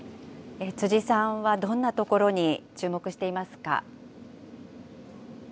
辻さんはどんなところに注目していますか。